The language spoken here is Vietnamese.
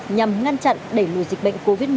nhằm ngăn chặn đẩy lùi dịch bệnh covid một mươi chín